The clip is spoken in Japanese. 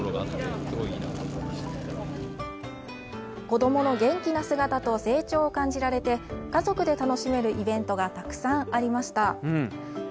子供の元気な姿と成長を感じられて、家族で楽しめるイベントがたくさんありました。